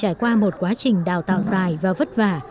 trải qua một quá trình đào tạo dài và vất vả